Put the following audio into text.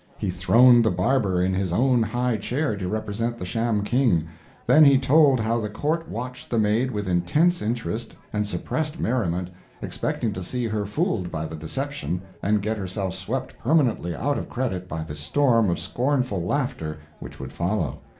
He throned the barber in his own high chair to represent the sham King; then he told how the Court watched the Maid with intense interest and suppressed merriment, expecting to see her fooled by the deception and get herself swept permanently out of credit by the storm of scornful laughter which would follow.